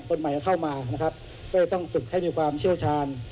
คนใหม่เข้ามานะครับก็ต้องฝึกให้มีความเชี่ยวชาญ